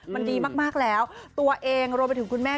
มันดีมากแล้วตัวเองรวมไปถึงคุณแม่